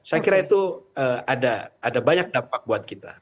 saya kira itu ada banyak dampak buat kita